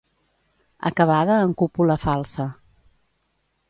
Acabada en cúpula falsa.